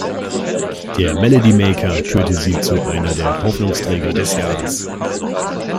Der Melody Maker kürte sie zu einer der Hoffnungsträger des Jahres.